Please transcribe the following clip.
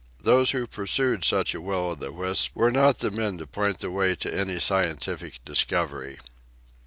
Those who pursued such a will o' the wisp, were not the men to point the way to any scientific discovery.